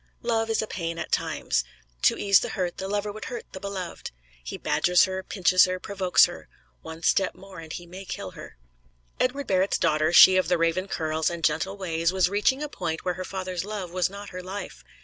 Love is a pain at times. To ease the hurt the lover would hurt the beloved. He badgers her, pinches her, provokes her. One step more and he may kill her. Edward Barrett's daughter, she of the raven curls and gentle ways, was reaching a point where her father's love was not her life.